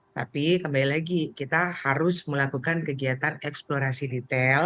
tapi kembali lagi kita harus melakukan kegiatan eksplorasi detail